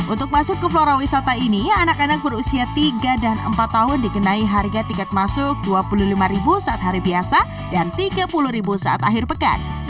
untuk masuk ke flora wisata ini anak anak berusia tiga dan empat tahun dikenai harga tiket masuk rp dua puluh lima saat hari biasa dan rp tiga puluh saat akhir pekan